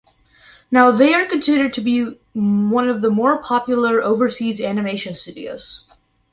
Now they are considered to be one of the more popular overseas animation studios.